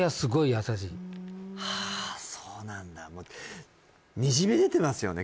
まあはあそうなんだにじみ出てますよね